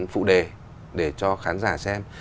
phụ đề để cho khán giả xem